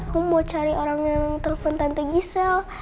aku mau cari orang yang telepon tante gisel